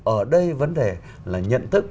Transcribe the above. ở đây vấn đề là nhận thức